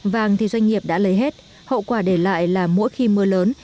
vàng thì doanh nghiệp đã lấy hết hậu quả để lại là mỗi khi mưa lớn